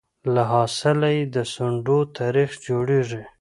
له حاصله یې د سونډو تار جوړیږي